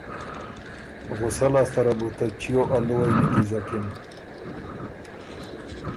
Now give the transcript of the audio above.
غصۀ لاسته ره بو ته چیو ا لُووئ نیکیزکِن۔